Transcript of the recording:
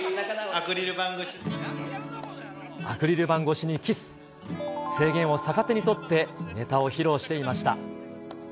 アクリル板越しにキス、制限を逆手に取って、ネタを披露していました。